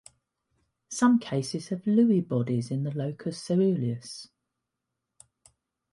Some cases have Lewy bodies in the locus ceruleus.